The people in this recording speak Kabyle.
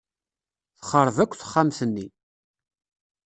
Texṛeb akk texxamt-nni.